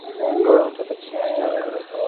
গোরা হঠাৎ একটা মস্ত ধাক্কা পাইল।